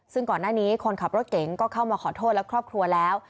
ซึ่งก่อนหน้านี้คนขับรถเก๋งก็เข้ามาขอโทษและครอบครัวแล้ว